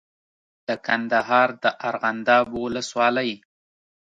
د کندهار د ارغنداب ولسوالۍ